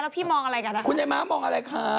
พี่มองอะไรกันนะคะคุณยายม้ามองอะไรคะ